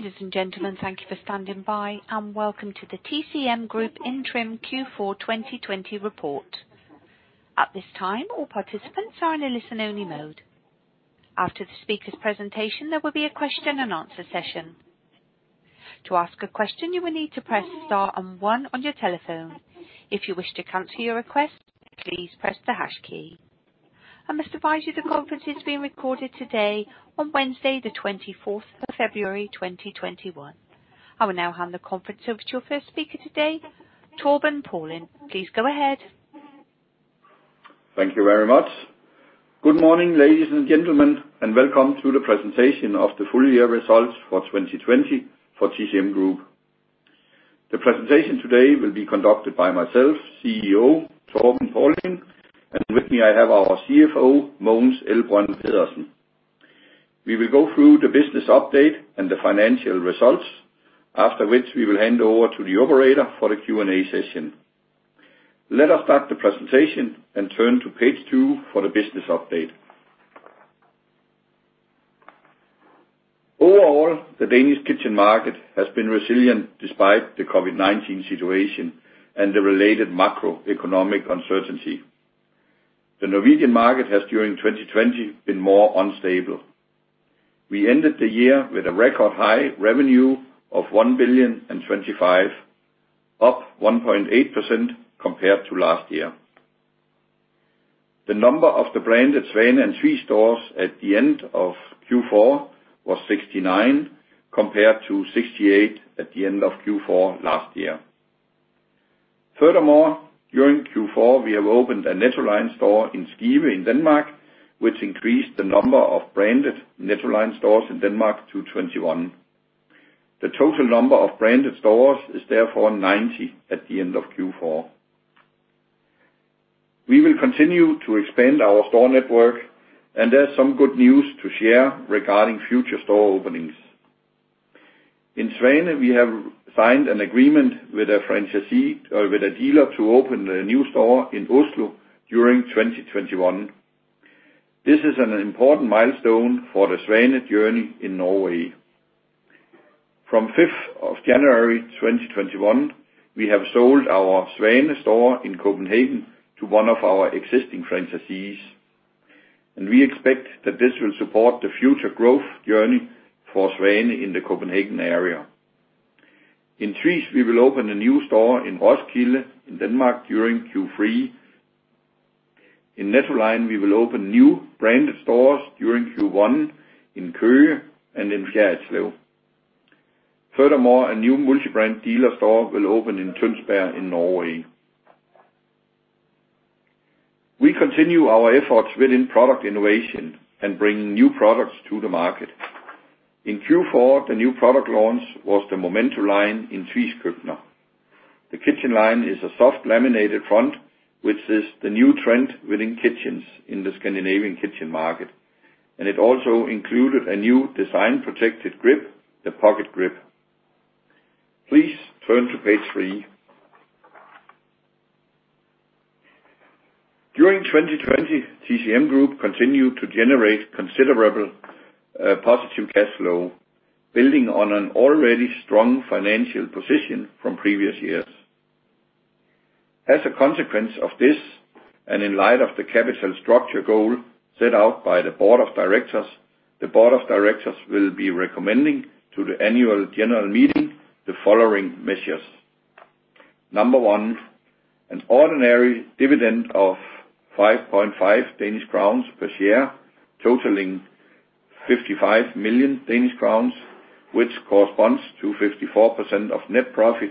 Ladies and gentlemen, thank you for standing by and welcome to the TCM Group interim Q4 2020 report. At this time, all participants are in a listen-only mode. After the speaker's presentation, there will be a question and answer session. To ask a question, you will need to press star and one on your telephone. If you wish to cancel your request, please press the hash key. I must advise you the conference is being recorded today on Wednesday the 24th of February 2021. I will now hand the conference over to your first speaker today, Torben Paulin. Please go ahead. Thank you very much. Good morning, ladies and gentlemen, and welcome to the presentation of the full year results for 2020 for TCM Group. The presentation today will be conducted by myself, Chief Executive Officer Torben Paulin, and with me, I have our Chief Financial Officer, Mogens Elbrønd Pedersen. We will go through the business update and the financial results, after which we will hand over to the operator for the Q&A session. Let us start the presentation and turn to page two for the business update. Overall, the Danish kitchen market has been resilient despite the COVID-19 situation and the related macroeconomic uncertainty. The Norwegian market has, during 2020, been more unstable. We ended the year with a record high revenue of 1,000,000,025, up 1.8% compared to last year. The number of the branded Svane and Tvis stores at the end of Q4 was 69 compared to 68 at the end of Q4 last year. Furthermore, during Q4, we have opened a Nettoline store in Skive in Denmark, which increased the number of branded Nettoline stores in Denmark to 21. The total number of branded stores is therefore 90 at the end of Q4. We will continue to expand our store network, and there's some good news to share regarding future store openings. In Svane, we have signed an agreement with a franchisee or with a dealer to open a new store in Oslo during 2021. This is an important milestone for the Svane journey in Norway. From 5th of January 2021, we have sold our Svane store in Copenhagen to one of our existing franchisees, and we expect that this will support the future growth journey for Svane in the Copenhagen area. In Tvis, we will open a new store in Roskilde in Denmark during Q3. In Nettoline, we will open new branded stores during Q1 in Køge and in Fjerritslev. Furthermore, a new multi-brand dealer store will open in Tønsberg in Norway. We continue our efforts within product innovation and bringing new products to the market. In Q4, the new product launch was the Momento line in Tvis Køkkener. The kitchen line is a soft laminated front, which is the new trend within kitchens in the Scandinavian kitchen market, and it also included a new design-protected grip, the pocket grip. Please turn to page three. During 2020, TCM Group continued to generate considerable positive cash flow, building on an already strong financial position from previous years. As a consequence of this, and in light of the capital structure goal set out by the board of directors, the board of directors will be recommending to the Annual General Meeting the following measures. Number one, an ordinary dividend of 5.5 Danish crowns per share, totaling 55 million Danish crowns, which corresponds to 54% of net profit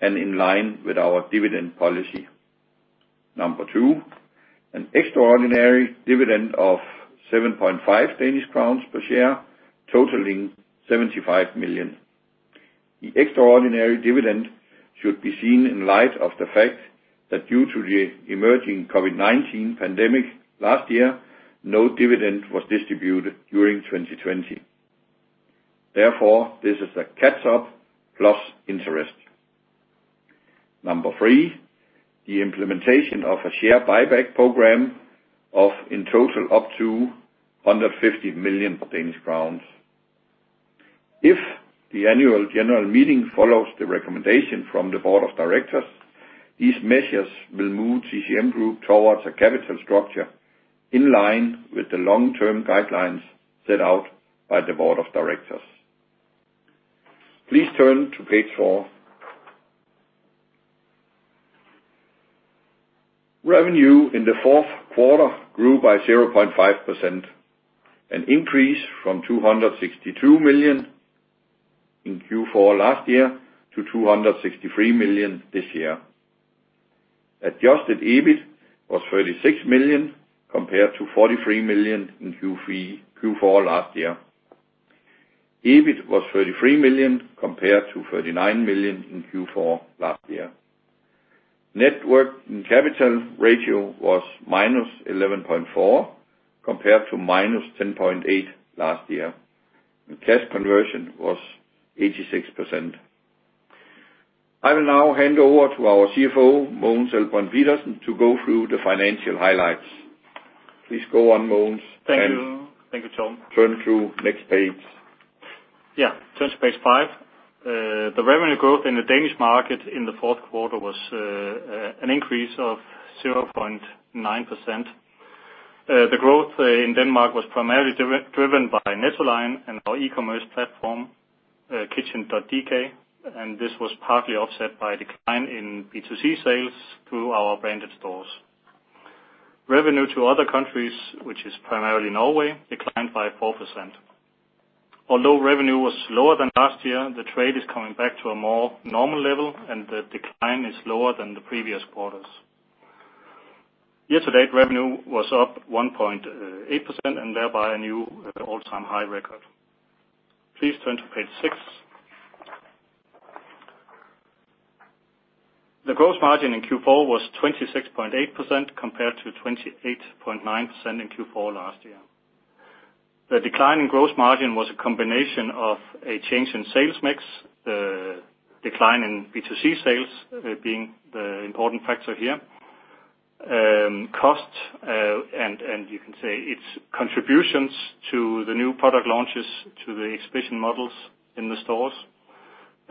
and in line with our dividend policy. Number two, an extraordinary dividend of 7.5 Danish crowns per share, totaling 75 million. The extraordinary dividend should be seen in light of the fact that due to the emerging COVID-19 pandemic last year, no dividend was distributed during 2020. Therefore, this is a catch-up plus interest. Number three, the implementation of a share buyback program of in total up to 150 million Danish crowns. If the annual general meeting follows the recommendation from the board of directors, these measures will move TCM Group towards a capital structure in line with the long-term guidelines set out by the board of directors. Please turn to page four. Revenue in the fourth quarter grew by 0.5%, an increase from 262 million in Q4 last year to 263 million this year. Adjusted EBIT was 36 million, compared to 43 million in Q4 last year. EBIT was 33 million, compared to 39 million in Q4 last year. Net working capital ratio was -11.4%, compared to -10.8% last year, and cash conversion was 86%. I will now hand over to our Chief Financial Officer, Mogens Elbrønd Pedersen, to go through the financial highlights. Please go on, Mogens. Thank you. Thank you, Torben. Turn to next page. Turn to page five. The revenue growth in the Danish market in the fourth quarter was an increase of 0.9%. The growth in Denmark was primarily driven by Nettoline and our e-commerce platform, kitchn.dk, and this was partly offset by decline in B2C sales through our branded stores. Revenue to other countries, which is primarily Norway, declined by 4%. Although revenue was lower than last year, the trade is coming back to a more normal level, and the decline is lower than the previous quarters. Year-to-date revenue was up 1.8% and thereby a new all-time high record. Please turn to page six. The gross margin in Q4 was 26.8% compared to 28.9% in Q4 last year. The decline in gross margin was a combination of a change in sales mix, the decline in B2C sales being the important factor here, costs, you can say it's contributions to the new product launches to the exhibition models in the stores.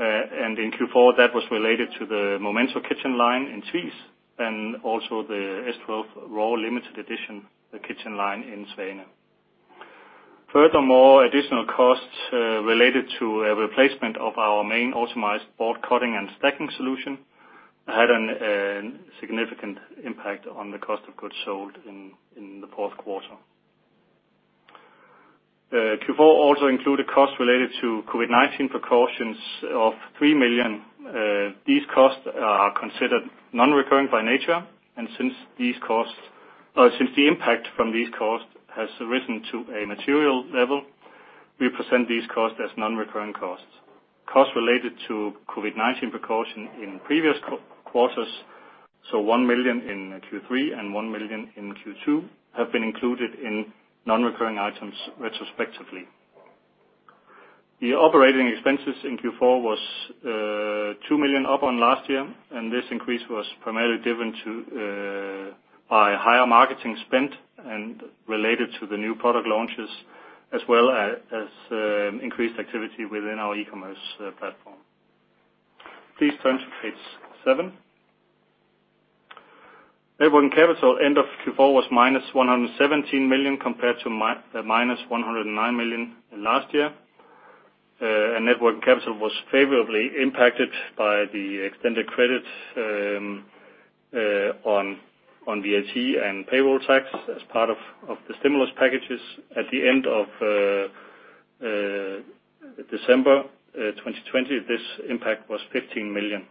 In Q4, that was related to the Momento kitchen line in Tvis and also the S12 RAW Limited Edition, the kitchen line in Svane. Furthermore, additional costs related to a replacement of our main automated board cutting and stacking solution had a significant impact on the cost of goods sold in the fourth quarter. Q4 also included costs related to COVID-19 precautions of 3 million. These costs are considered non-recurring by nature, since the impact from these costs has risen to a material level, we present these costs as non-recurring costs. Costs related to COVID-19 precaution in previous quarters, so 1 million in Q3 and 1 million in Q2, have been included in non-recurring items retrospectively. Operating expenses in Q4 was 2 million up on last year, this increase was primarily driven by higher marketing spend and related to the new product launches, as well as increased activity within our e-commerce platform. Please turn to page seven. Net working capital end of Q4 was -117 million compared to -109 million last year. Net working capital was favorably impacted by the extended credit on VAT and payroll tax as part of the stimulus packages at the end of December 2020. This impact was 15 million.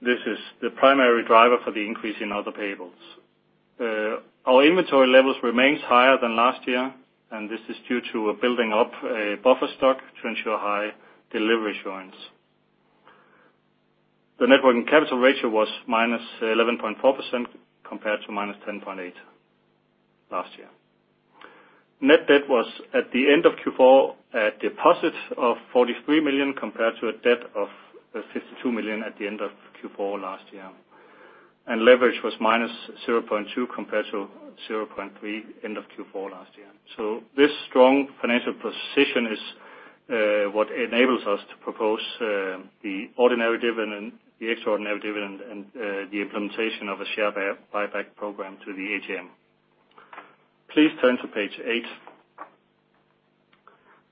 This is the primary driver for the increase in other payables. Our inventory levels remains higher than last year, this is due to building up a buffer stock to ensure high delivery assurance. The net working capital ratio was -11.4% compared to -10.8% last year. Net debt was at the end of Q4 at deposit of 43 million compared to a debt of 52 million at the end of Q4 last year. Leverage was -0.2 compared to 0.3 end of Q4 last year. This strong financial position is what enables us to propose the ordinary dividend, the extraordinary dividend, and the implementation of a share buyback program to the AGM. Please turn to page eight.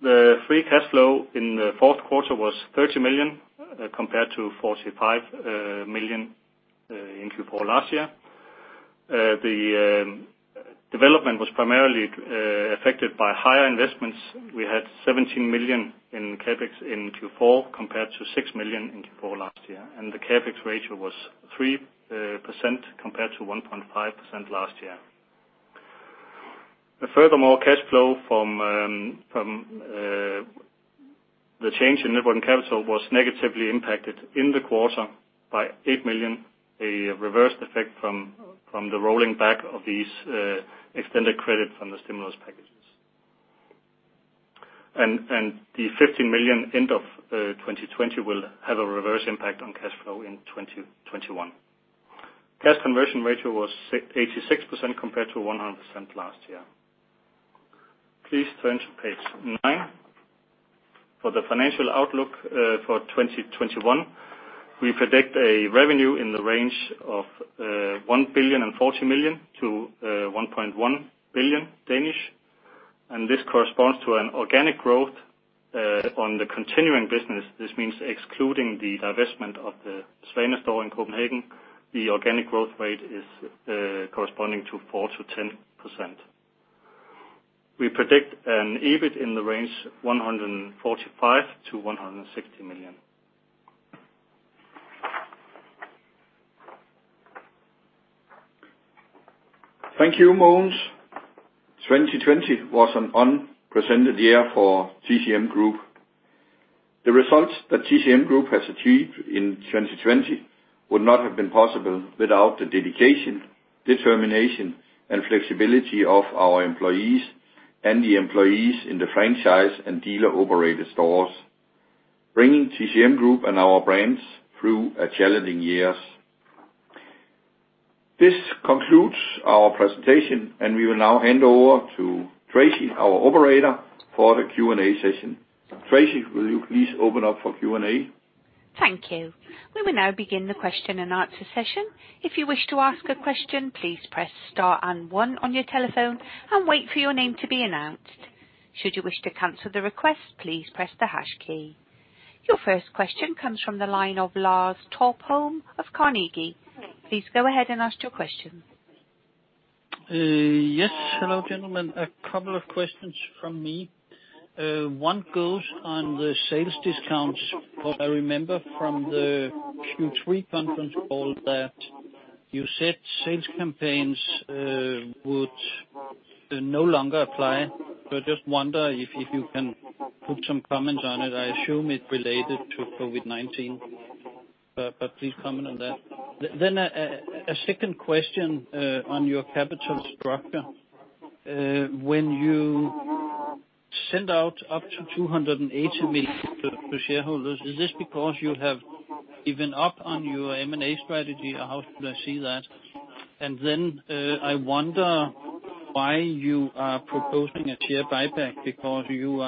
The free cash flow in the fourth quarter was 30 million compared to 45 million in Q4 last year. The development was primarily affected by higher investments. We had 17 million in CapEx in Q4 compared to 6 million in Q4 last year. The CapEx ratio was 3% compared to 1.5% last year. Furthermore, cash flow from the change in net working capital was negatively impacted in the quarter by 8 million, a reverse effect from the rolling back of these extended credit from the stimulus packages. The 15 million end of 2020 will have a reverse impact on cash flow in 2021. Cash conversion ratio was 86% compared to 100% last year. Please turn to page nine. For the financial outlook for 2021, we predict a revenue in the range of 1.04 billion-1.1 billion. This corresponds to an organic growth on the continuing business. This means excluding the divestment of the Svane store in Copenhagen, the organic growth rate is corresponding to 4%-10%. We predict an EBIT in the range 145 million-160 million. Thank you, Mogens. 2020 was an unprecedented year for TCM Group. The results that TCM Group has achieved in 2020 would not have been possible without the dedication, determination, and flexibility of our employees. The employees in the franchise and dealer-operated stores, bringing TCM Group and our brands through challenging years. This concludes our presentation, and we will now hand over to Tracy, our operator, for the Q&A session. Tracy, will you please open up for Q&A? Thank you. We will now begin the question and answer session. If you wish to ask a question, please press star and one on your telephone and wait for your name to be announced. Should you wish to cancel the request, please press the hash key. Your first question comes from the line of Lars Topholm of Carnegie. Please go ahead and ask your question. Yes. Hello, gentlemen. A couple of questions from me. One goes on the sales discounts, I remember from the Q3 conference call that you said sales campaigns would no longer apply. I just wonder if you can put some comments on it. I assume it's related to COVID-19, please comment on that. A second question on your capital structure. When you send out up to 280 million to shareholders, is this because you have given up on your M&A strategy? How should I see that? I wonder why you are proposing a share buyback because you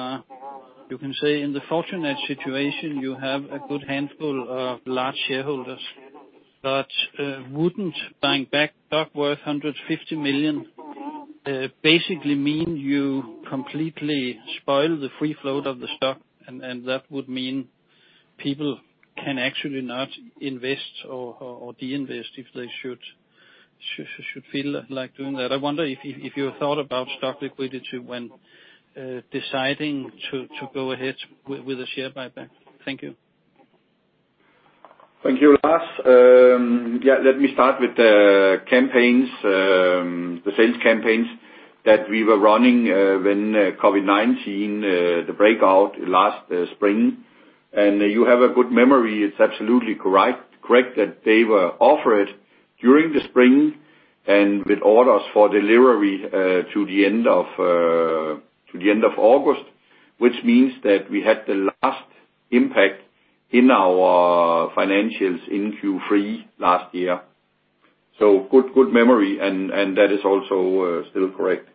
can say in the fortunate situation, you have a good handful of large shareholders. Wouldn't buying back stock worth 150 million basically mean you completely spoil the free flow of the stock, and that would mean people can actually not invest or de-invest if they should feel like doing that. I wonder if you thought about stock liquidity when deciding to go ahead with a share buyback. Thank you. Thank you, Lars. Yeah, let me start with the sales campaigns that we were running when COVID-19, the breakout last spring. You have a good memory. It's absolutely correct that they were offered during the spring and with orders for delivery to the end of August, which means that we had the last impact in our financials in Q3 last year. Good memory, and that is also still correct.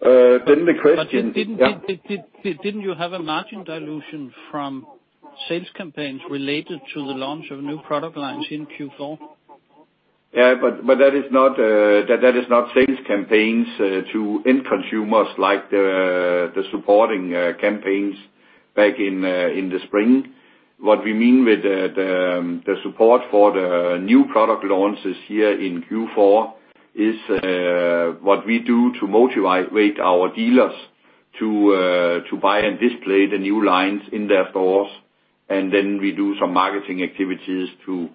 The question. Didn't you have a margin dilution from sales campaigns related to the launch of new product lines in Q4? Yeah, that is not sales campaigns to end consumers like the supporting campaigns back in the spring. What we mean with the support for the new product launches here in Q4 is what we do to motivate our dealers to buy and display the new lines in their stores, we do some marketing activities to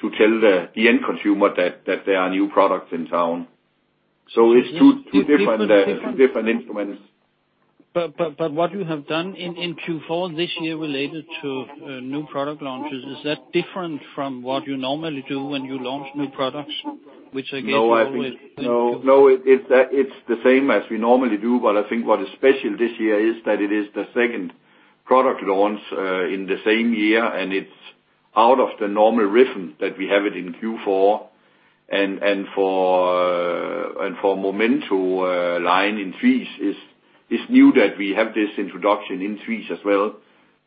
tell the end consumer that there are new products in town. It's two different instruments. What you have done in Q4 this year related to new product launches, is that different from what you normally do when you launch new products? No, it's the same as we normally do, but I think what is special this year is that it is the second product launch in the same year, and it's out of the normal rhythm that we have it in Q4. Momento in Tvis is new that we have this introduction in Tvis as well.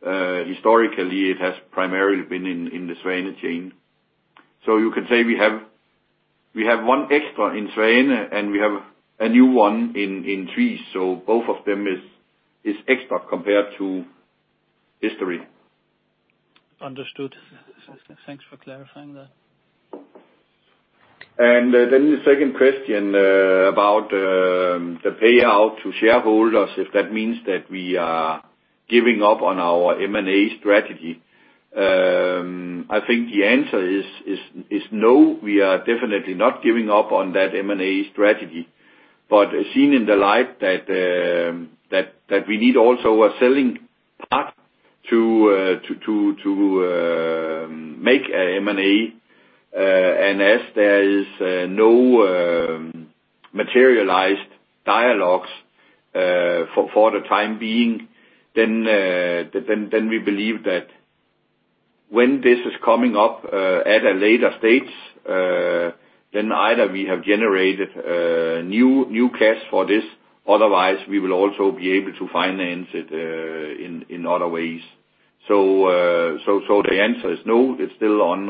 Historically, it has primarily been in the Svane chain. You can say we have one extra in Svane, and we have a new one in Tvis, so both of them is extra compared to history. Understood. Thanks for clarifying that. The second question about the payout to shareholders, if that means that we are giving up on our M&A strategy. I think the answer is no. We are definitely not giving up on that M&A strategy. Seeing in the light that we need also a selling part to make M&A, and as there is no materialized dialogues for the time being, then we believe that when this is coming up at a later stage, then either we have generated new cash for this, otherwise we will also be able to finance it in other ways. The answer is no. It's still on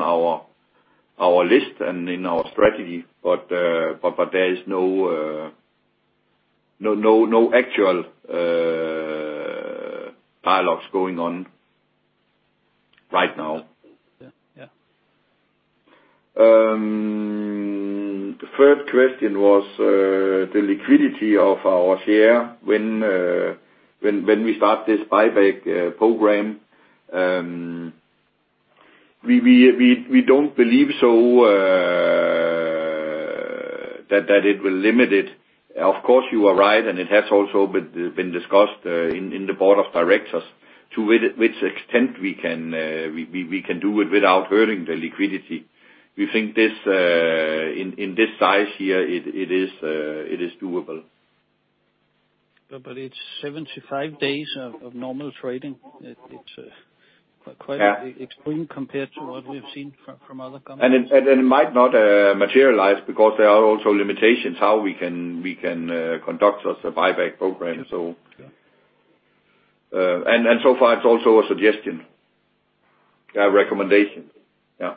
our list and in our strategy, but there is no actual dialogues going on right now. Yeah. The third question was the liquidity of our share when we start this buyback program. We don't believe so that it will limit it. Of course, you are right, and it has also been discussed in the board of directors to which extent we can do it without hurting the liquidity. We think in this size here, it is doable. It's 75 days of normal trading- Yeah. Extreme compared to what we've seen from other companies. It might not materialize because there are also limitations how we can conduct such a buyback program. Yeah. So far, it's also a suggestion. A recommendation. Yeah.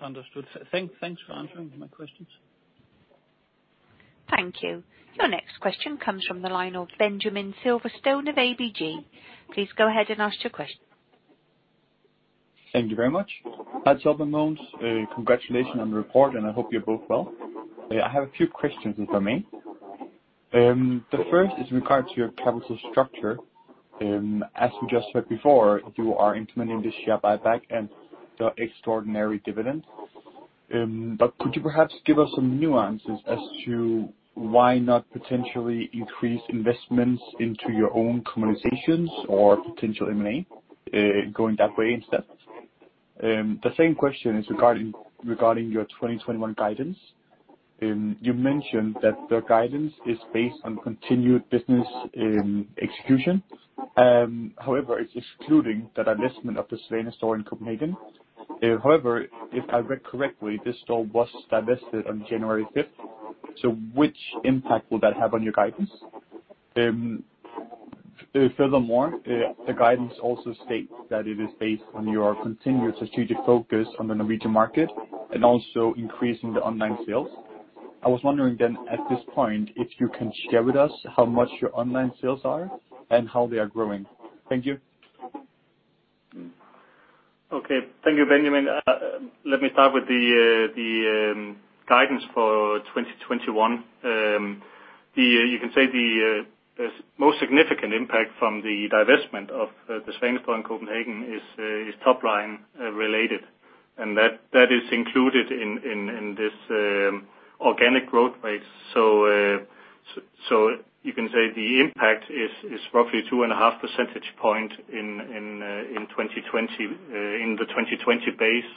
Understood. Thanks for answering my questions. Thank you. Your next question comes from the line of Benjamin Silverstone of ABG. Please go ahead and ask your question. Thank you very much. Hi, Torben and Mogens. Congratulations on the report, and I hope you're both well. I have a few questions if I may. The first is in regard to your capital structure. As we just heard before, you are implementing this share buyback and the extraordinary dividend. Could you perhaps give us some nuances as to why not potentially increase investments into your own communications or potential M&A, going that way instead? The same question is regarding your 2021 guidance. You mentioned that the guidance is based on continued business in execution. It's excluding the divestment of the Svane store in Copenhagen. If I read correctly, this store was divested on January 5th, so which impact will that have on your guidance? Furthermore, the guidance also states that it is based on your continued strategic focus on the Norwegian market and also increasing the online sales. I was wondering then, at this point, if you can share with us how much your online sales are and how they are growing? Thank you. Okay. Thank you, Benjamin. Let me start with the guidance for 2021. You can say the most significant impact from the divestment of the Svane store in Copenhagen is top-line related, and that is included in this organic growth rate. You can say the impact is roughly 2.5 Percentage point in the 2020 base.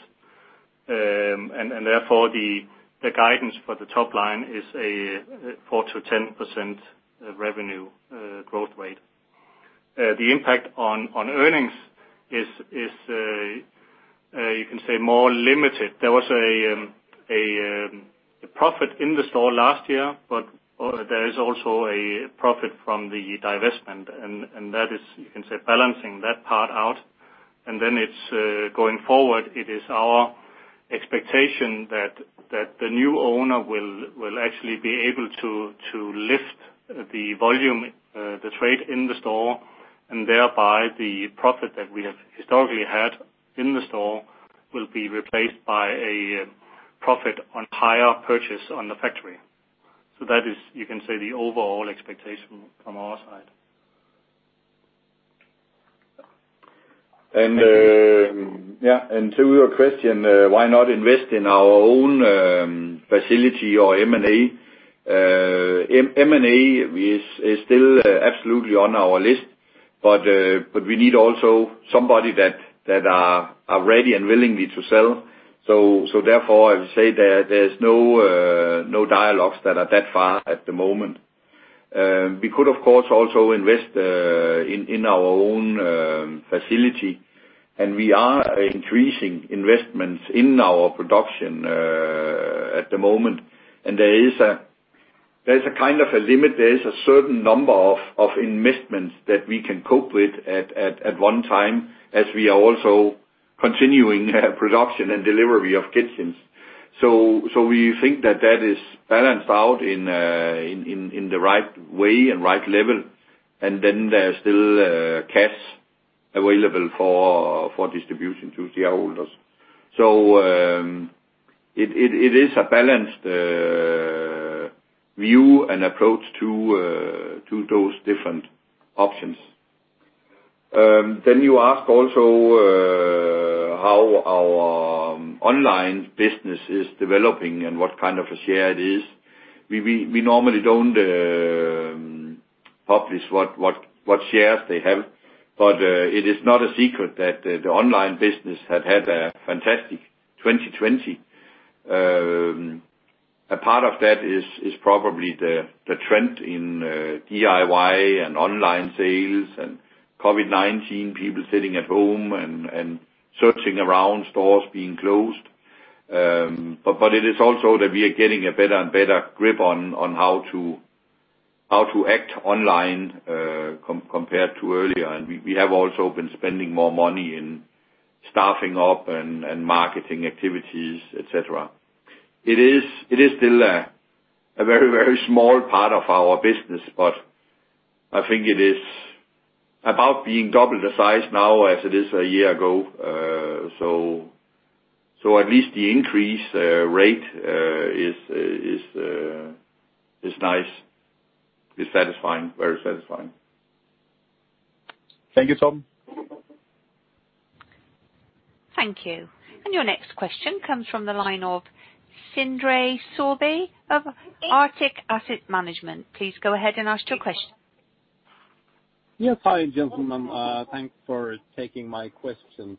The guidance for the top line is a 4%-10% revenue growth rate. The impact on earnings is, you can say, more limited. There was a profit in the store last year, but there is also a profit from the divestment, and that is, you can say, balancing that part out. It's going forward, it is our expectation that the new owner will actually be able to lift the volume, the trade in the store, and thereby the profit that we have historically had in the store will be replaced by a profit on higher purchase on the factory. That is, you can say, the overall expectation from our side. To your question, why not invest in our own facility or M&A? M&A is still absolutely on our list, but we need also somebody that are ready and willingly to sell. Therefore, I would say there's no dialogues that are that far at the moment. We could, of course, also invest in our own facility, and we are increasing investments in our production at the moment, and there's a kind of a limit. There is a certain number of investments that we can cope with at one time as we are also continuing production and delivery of kitchens. We think that that is balanced out in the right way and right level, and then there's still cash available for distribution to shareholders. It is a balanced view and approach to those different options. You ask also how our online business is developing and what kind of a share it is. We normally don't publish what shares they have, but it is not a secret that the online business had a fantastic 2020. A part of that is probably the trend in DIY and online sales and COVID-19, people sitting at home and searching around stores being closed. It is also that we are getting a better and better grip on how to act online, compared to earlier. We have also been spending more money in staffing up and marketing activities, et cetera. It is still a very small part of our business, but I think it is about being double the size now as it is a year ago. At least the increase rate is nice. It's satisfying. Very satisfying. Thank you, Torben Thank you. Your next question comes from the line of Sindre Sørbye of Arctic Asset Management. Please go ahead and ask your question. Yes. Hi, gentlemen. Thanks for taking my questions.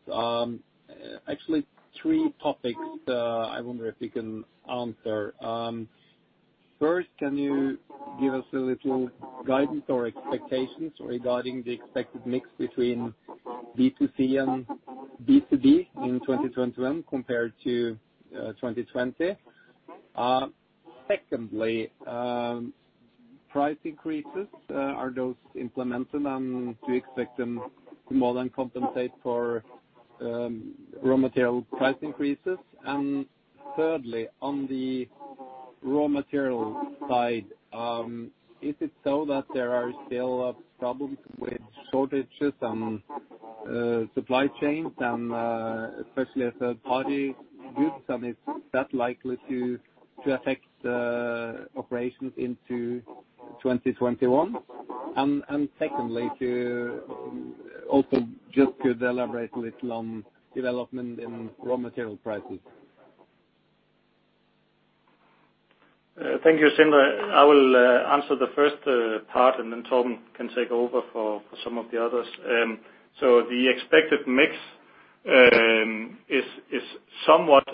Actually, three topics I wonder if you can answer. First, can you give us a little guidance or expectations regarding the expected mix between B2C and B2B in 2021 compared to 2020? Secondly, price increases, are those implemented and do you expect them to more than compensate for raw material price increases? Thirdly, on the raw material side, is it so that there are still problems with shortages and supply chains and especially as a particle boards, and is that likely to affect the operations into 2021? Secondly, to also just to elaborate a little on development in raw material prices. Thank you, Sindre. I will answer the first part, and then Torben can take over for some of the others. The expected mix is somewhat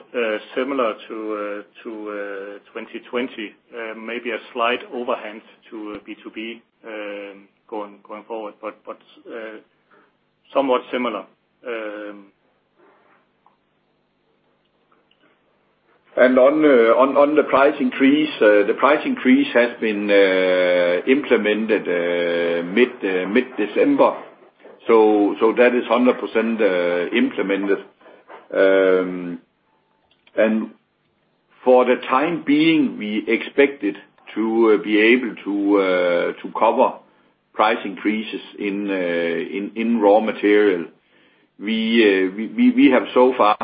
similar to 2020. Maybe a slight overhand to B2B going forward, but somewhat similar. On the price increase, the price increase has been implemented mid December, so that is 100% implemented. For the time being, we expected to be able to cover price increases in raw material. We have so far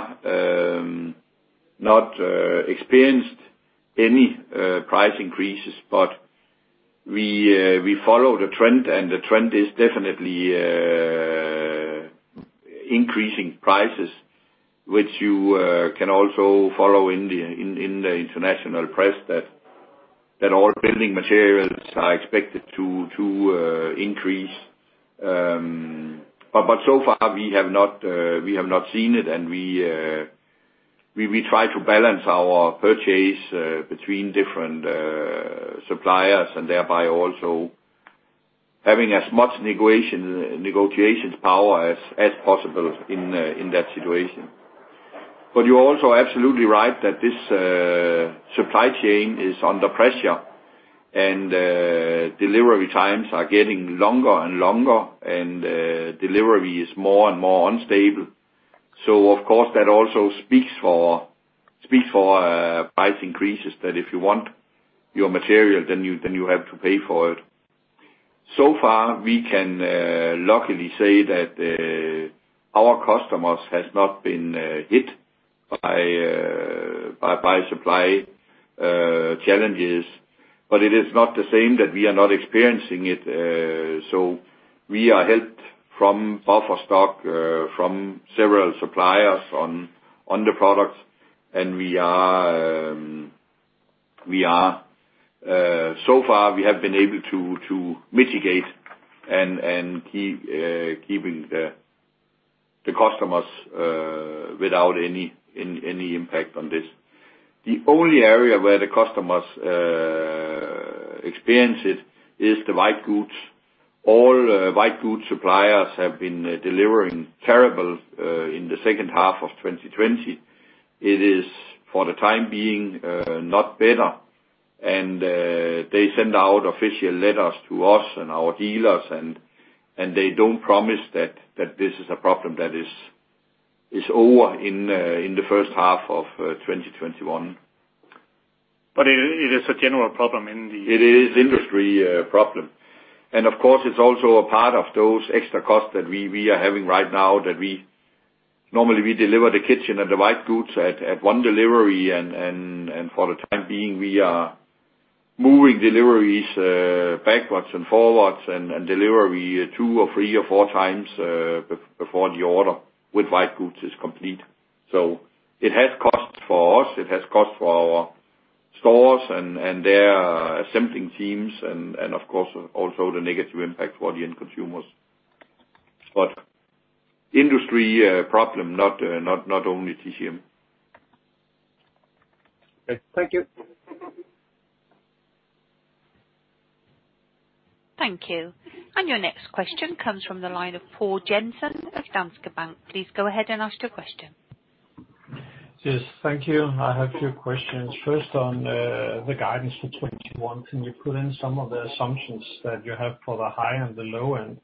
not experienced any price increases, but we follow the trend, and the trend is definitely increasing prices, which you can also follow in the international press that all building materials are expected to increase. So far we have not seen it, and we try to balance our purchase between different suppliers and thereby also having as much negotiations power as possible in that situation. You're also absolutely right that this supply chain is under pressure and delivery times are getting longer and longer, and delivery is more and more unstable. Of course, that also speaks for price increases that if you want your material, then you have to pay for it. Far, we can luckily say that our customers has not been hit by supply challenges, but it is not to say that we are not experiencing it. We are helped from buffer stock from several suppliers on the products. So far we have been able to mitigate and keeping the customers without any impact on this. The only area where the customers experience it is the white goods. All white goods suppliers have been delivering terrible in the second half of 2020. It is, for the time being, not better. They send out official letters to us and our dealers, and they don't promise that this is a problem that is over in the first half of 2021. It is a general problem. It is industry problem. Of course, it's also a part of those extra costs that we are having right now that Normally we deliver the kitchen and the white goods at one delivery, for the time being, we are moving deliveries backwards and forwards and deliver we two or three or four times before the order with white goods is complete. It has cost for us, for our stores and their assembling teams and of course, also the negative impact for the end consumers. Industry problem, not only TCM. Okay. Thank you. Thank you. Your next question comes from the line of Poul Jensen of Danske Bank. Please go ahead and ask your question. Yes. Thank you. I have a few questions. First, on the guidance for 2021, can you put in some of the assumptions that you have for the high and the low end,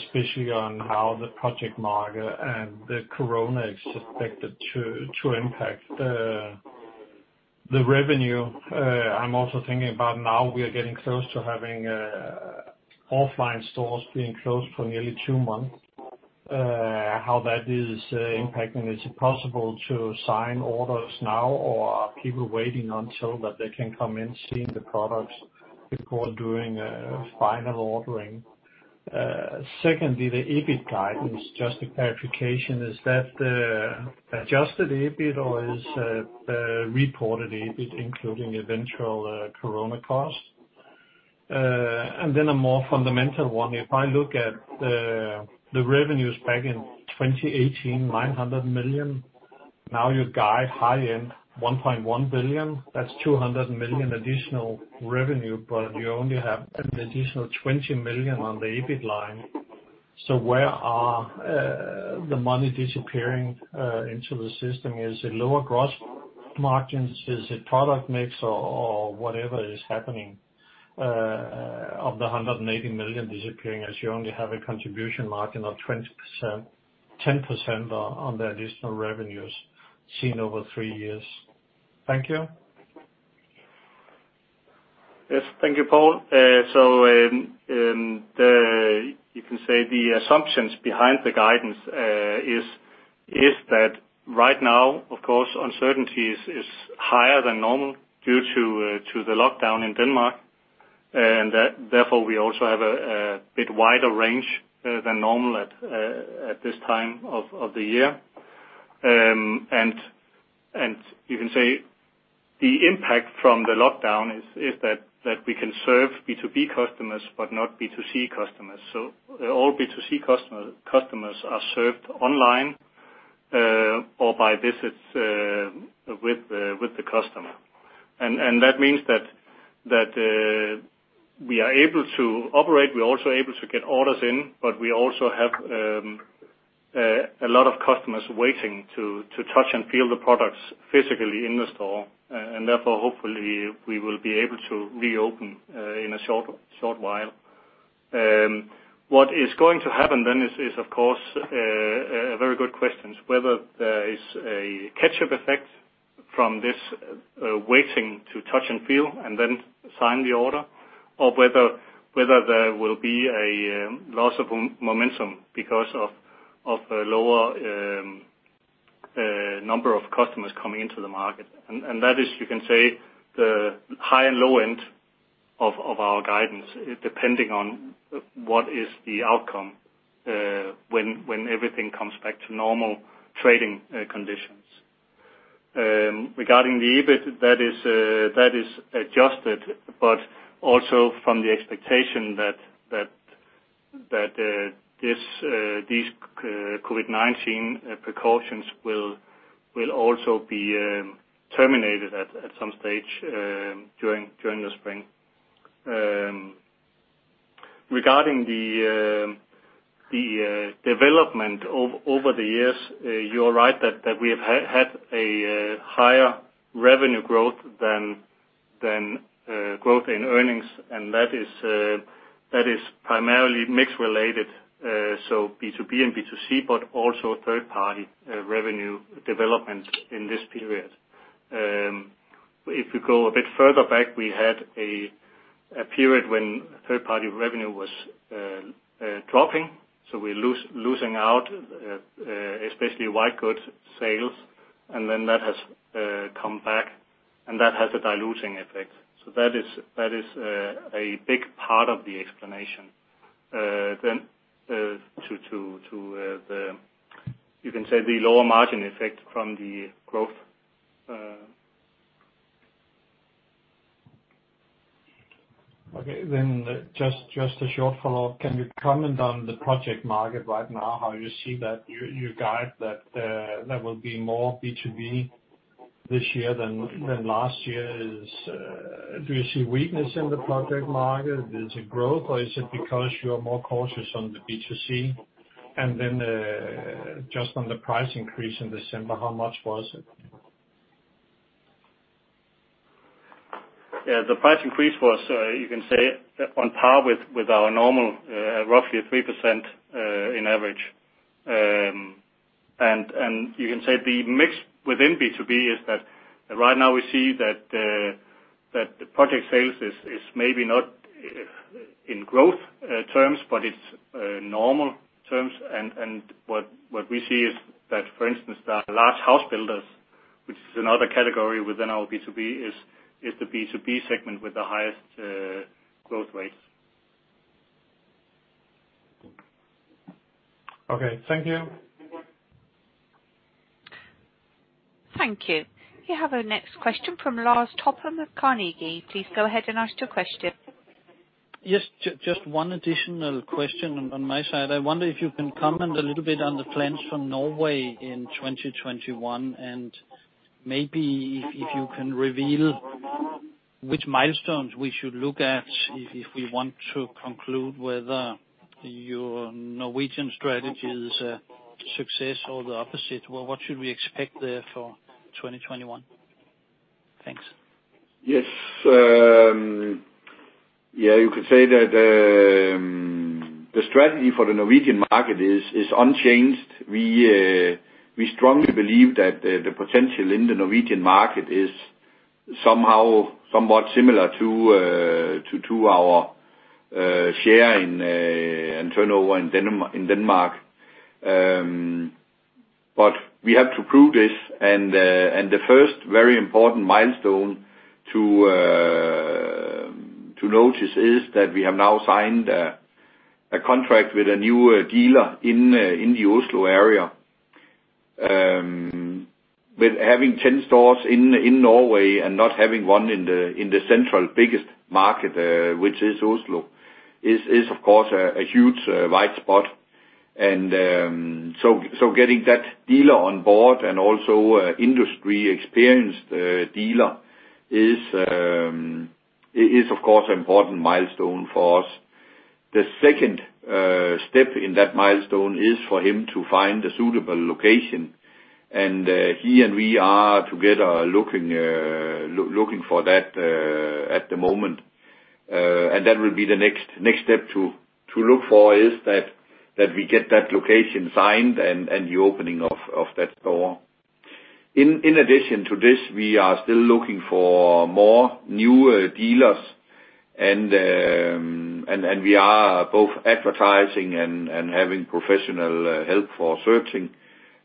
especially on how the project market and the Corona is expected to impact the revenue? I'm also thinking about now we are getting close to having offline stores being closed for nearly two months, how that is impacting. Is it possible to sign orders now or are people waiting until that they can come in, seeing the products before doing final ordering? Secondly, the EBIT guidance, just a clarification, is that the Adjusted EBIT or is the reported EBIT including eventual COVID-19 costs? A more fundamental one. If I look at the revenues back in 2018, 900 million, now you guide high end 1.1 billion. That's 200 million additional revenue. You only have an additional 20 million on the EBIT line. Where is the money disappearing into the system? Is it lower gross margins? Is it product mix or whatever is happening? Of the 180 million disappearing as you only have a contribution margin of 10% on the additional revenues seen over three years. Thank you. Yes. Thank you, Poul. You can say the assumptions behind the guidance is that right now, of course, uncertainty is higher than normal due to the lockdown in Denmark, and therefore we also have a bit wider range than normal at this time of the year. You can say the impact from the lockdown is that we can serve B2B customers but not B2C customers. All B2C customers are served online or by visits with the customer. That means that we are able to operate, we're also able to get orders in, but we also have a lot of customers waiting to touch and feel the products physically in the store. Therefore, hopefully, we will be able to reopen in a short while. What is going to happen then is, of course, a very good question. Whether there is a catchup effect from this waiting to touch and feel and then sign the order or whether there will be a loss of momentum because of a lower number of customers coming into the market. That is the high and low end of our guidance, depending on what is the outcome when everything comes back to normal trading conditions. Regarding the EBIT, that is adjusted, but also from the expectation that these COVID-19 precautions will also be terminated at some stage during the spring. Regarding the development over the years, you're right that we have had a higher revenue growth than growth in earnings, and that is primarily mix related. B2B and B2C, but also third party revenue development in this period. If we go a bit further back, we had a period when third-party revenue was dropping, so we're losing out especially white good sales, and then that has come back, and that has a diluting effect. That is a big part of the explanation to the lower margin effect from the growth. Okay, just a short follow-up. Can you comment on the project market right now, how you see that you guide that there will be more B2B this year than last year? Do you see weakness in the project market? Is it growth, or is it because you are more cautious on the B2C? Just on the price increase in December, how much was it? Yeah, the price increase was on par with our normal roughly 3% in average. The mix within B2B is that right now we see that the project sales is maybe not in growth terms, but it's normal terms. What we see is that, for instance, the large house builders, which is another category within our B2B, is the B2B segment with the highest growth rates. Okay. Thank you. Thank you. We have our next question from Lars Topholm of Carnegie. Please go ahead and ask your question. Yes, just one additional question on my side. I wonder if you can comment a little bit on the plans for Norway in 2021 and maybe if you can reveal which milestones we should look at if we want to conclude whether your Norwegian strategy is a success or the opposite. What should we expect there for 2021? Thanks. Yes. You could say that the strategy for the Norwegian market is unchanged. We strongly believe that the potential in the Norwegian market is somewhat similar to our share in turnover in Denmark. We have to prove this, and the first very important milestone to notice is that we have now signed a contract with a new dealer in the Oslo area. With having 10 stores in Norway and not having one in the central biggest market, which is Oslo, is of course a huge white spot. Getting that dealer on board and also industry experienced dealer is, of course, an important milestone for us. The second step in that milestone is for him to find a suitable location. He and we are together looking for that at the moment. That will be the next step to look for, is that we get that location signed and the opening of that store. In addition to this, we are still looking for more new dealers. We are both advertising and having professional help for searching.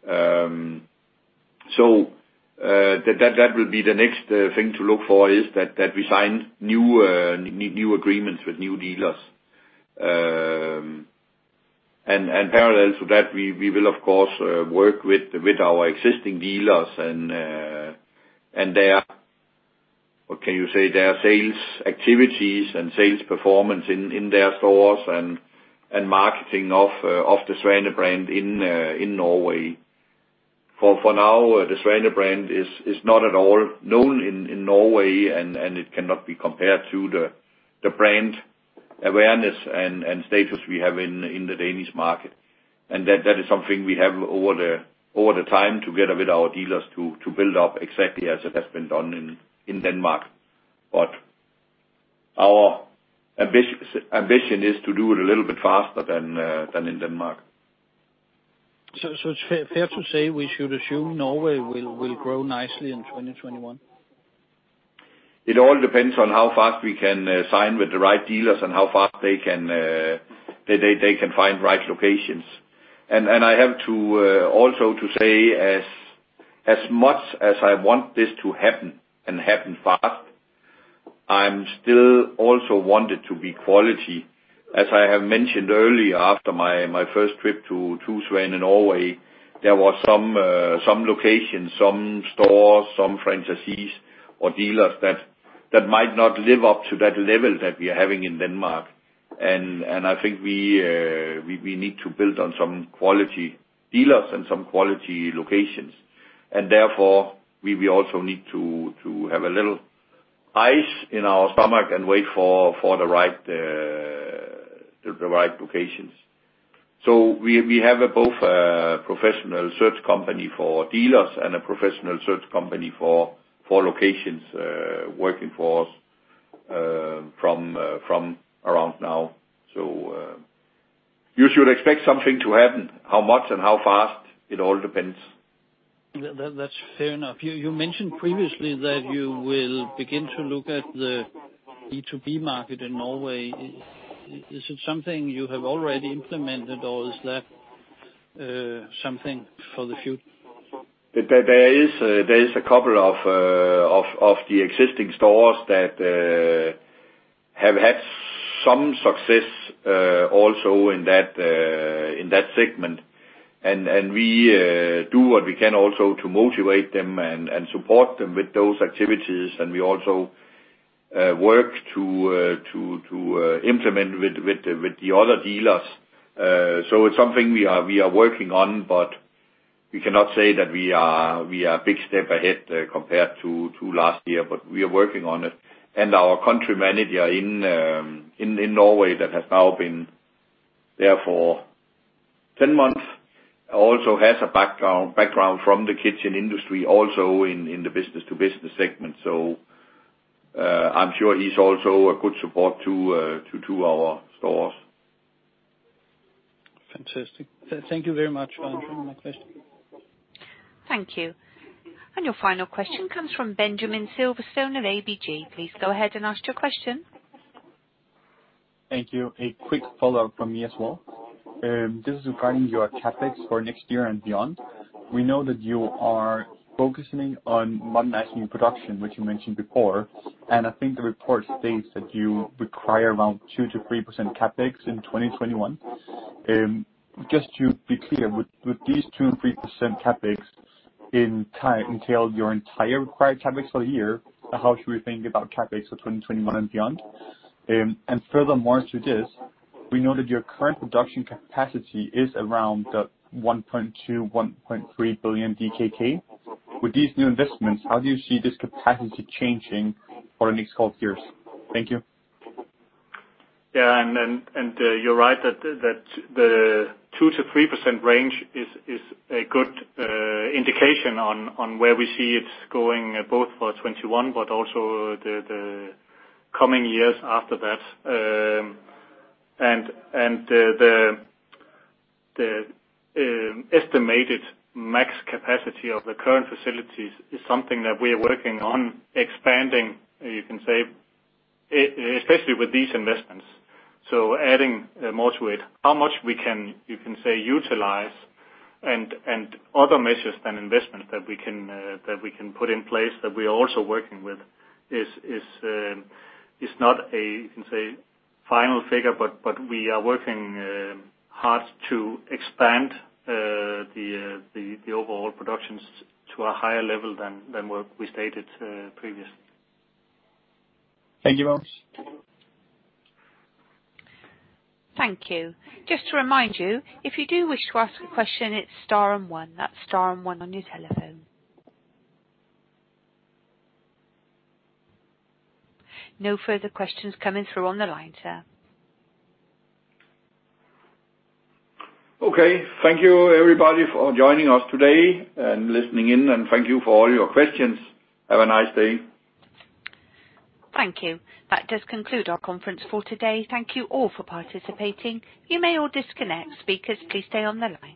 That will be the next thing to look for, is that we sign new agreements with new dealers. Parallel to that, we will of course work with our existing dealers and their sales activities and sales performance in their stores and marketing of the Svane brand in Norway. For now, the Svane brand is not at all known in Norway, and it cannot be compared to the brand awareness and status we have in the Danish market. That is something we have over the time together with our dealers to build up exactly as it has been done in Denmark. Our ambition is to do it a little bit faster than in Denmark. It's fair to say we should assume Norway will grow nicely in 2021? It all depends on how fast we can sign with the right dealers and how fast they can find right locations. I have to also to say, as much as I want this to happen and happen fast, I'm still also want it to be quality. As I have mentioned earlier, after my first trip to Svane Norway, there was some locations, some stores, some franchisees or dealers that might not live up to that level that we are having in Denmark. I think we need to build on some quality dealers and some quality locations. Therefore, we will also need to have a little ice in our stomach and wait for the right locations. We have both a professional search company for dealers and a professional search company for locations, working for us from around now. You should expect something to happen. How much and how fast, it all depends. That's fair enough. You mentioned previously that you will begin to look at the B2B market in Norway. Is it something you have already implemented or is that something for the future? There is a couple of the existing stores that have had some success, also in that segment. We do what we can also to motivate them and support them with those activities. We also work to implement with the other dealers. It's something we are working on, but we cannot say that we are a big step ahead compared to last year, but we are working on it. Our country manager in Norway that has now been there for 10 months, also has a background from the kitchen industry, also in the B2B segment. I'm sure he's also a good support to our stores. Fantastic. Thank you very much. I have no more question. Thank you. Your final question comes from Benjamin Silverstone of ABG. Please go ahead and ask your question. Thank you. A quick follow-up from me as well. This is regarding your CapEx for next year and beyond. We know that you are focusing on maximizing production, which you mentioned before. I think the report states that you require around 2%-3% CapEx in 2021. Just to be clear, would these 2% and 3% CapEx entail your entire required CapEx for a year? How should we think about CapEx for 2021 and beyond? Furthermore to this, we know that your current production capacity is around the 1.2 billion-1.3 billion DKK. With these new investments, how do you see this capacity changing for the next couple of years? Thank you. Yeah. You're right that the 2%-3% range is a good indication on where we see it going, both for 2021, but also the coming years after that. The estimated max capacity of the current facilities is something that we are working on expanding, you can say, especially with these investments. Adding more to it, how much we can, you can say, utilize and other measures than investments that we can put in place that we are also working with is not a, you can say, final figure. We are working hard to expand the overall productions to a higher level than what we stated previously. Thank you, Torben. Thank you. Just to remind you, if you do wish to ask a question, it's star and one. That's star and one on your telephone. No further questions coming through on the line, sir. Okay. Thank you everybody for joining us today and listening in, and thank you for all your questions. Have a nice day. Thank you. That does conclude our conference for today. Thank you all for participating. You may all disconnect. Speakers, please stay on the line.